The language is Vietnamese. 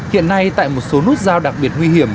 hiện nay tại một số nút giao đặc biệt nguy hiểm